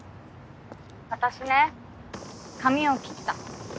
私ね髪を切った。